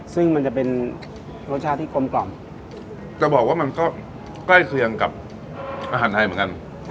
ซึ่งมันจะเป็นรสชาติที่กลมกล่อมจะบอกว่ามันก็ใกล้เคียงกับอาหารไทยเหมือนกัน